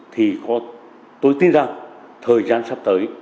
thì tôi tin rằng thời gian sắp tới